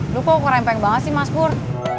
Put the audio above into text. aduh kok kerempeng banget sih mas pur